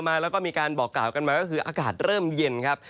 เมื่อกว่าระชาด้านใดออกเลอศูนย์เราดูพอ